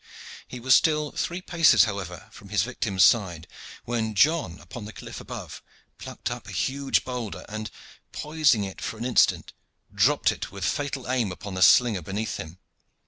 He was still three paces, however, from his victim's side when John upon the cliff above plucked up a huge boulder, and, poising it for an instant, dropped it with fatal aim upon the slinger beneath him.